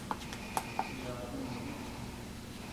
Chiná tumi ñeʼe.